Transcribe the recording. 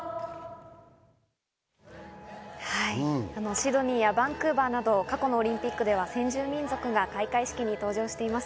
シドニーやバンクーバーなど過去のオリンピックでは先住民族が開会式に登場しています。